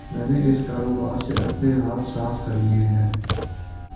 میں نے اس کاروبار سے اپنے ہاتھ صاف کر لیئے ہے۔